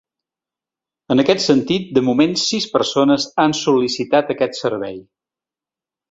En aquest sentit, de moment sis persones han sol·licitat aquest servei.